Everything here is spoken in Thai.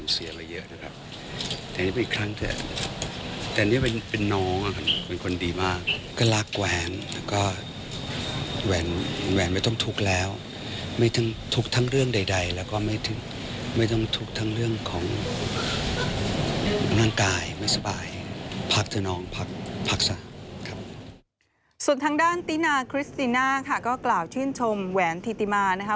ส่วนทางด้านตินาคริสติน่าค่ะก็กล่าวชื่นชมแหวนธิติมานะคะ